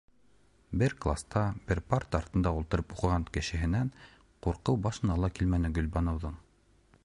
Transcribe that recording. - Бер класта, бер парта артында ултырып уҡыған кешеһенән ҡурҡыу башына ла килмәне Гөлбаныуҙың.